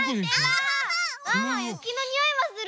ワンワンゆきのにおいはする？